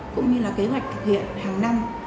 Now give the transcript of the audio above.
cũng như là kế hoạch thực hiện hàng năm